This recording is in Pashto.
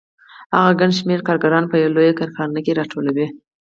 هغه ګڼ شمېر کارګران په یوه لویه کارخانه کې راټولوي